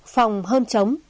phòng hơn chống